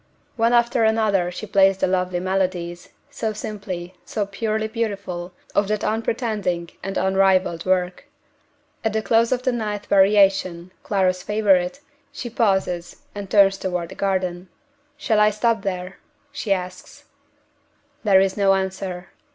One after another she plays the lovely melodies, so simply, so purely beautiful, of that unpretending and unrivaled work. At the close of the ninth Variation (Clara's favorite), she pauses, and turns toward the garden. "Shall I stop there?" she asks. There is no answer.